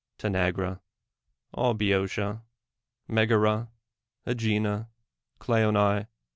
Tanayra, all Bceotia, ]\Iegara, ^ Egina, Cleona?